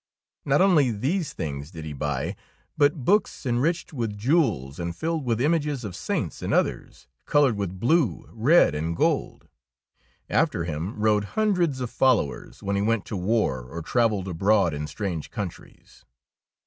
Not only these things did he buy, but books enriched with jewels and filled with images of saints and others, coloured with blue, red, and gold. After him rode hundreds of fol lowers when he went to war or trav elled abroad in strange countries.